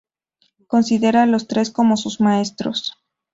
Considera a los tres como sus maestros.